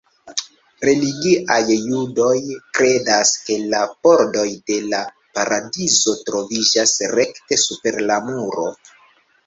Religiaj judoj kredas ke la pordoj de la paradizo troviĝas rekte super la muro.